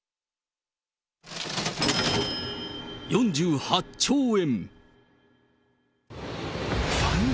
４８兆円。